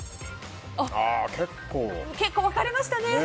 結構分かれましたね。